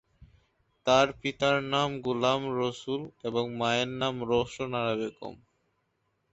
তার পিতার নাম গোলাম রসুল এবং মায়ের নাম রওশন আরা বেগম।